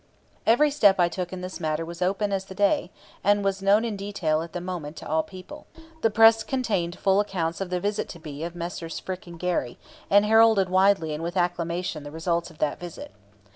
Every step I took in this matter was open as the day, and was known in detail at the moment to all people. The press contained full accounts of the visit to me of Messrs. Frick and Gary, and heralded widely and with acclamation the results of that visit.